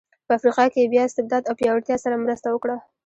په افریقا کې یې بیا استبداد او پیاوړتیا سره مرسته وکړه.